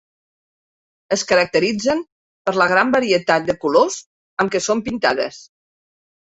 Es caracteritzen per la gran varietat de colors amb què són pintades.